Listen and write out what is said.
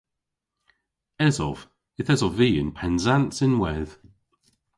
Esov. Yth esov vy yn Pennsans ynwedh.